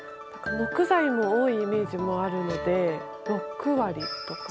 木材が多いイメージがあるので６割とか？